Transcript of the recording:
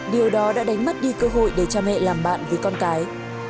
điều đó đã đánh mất đi cơ hội để cha mẹ làm bạn với con cái